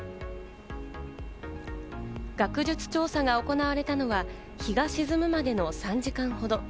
学術調査が行われたのは日が沈むまでの３時間ほど。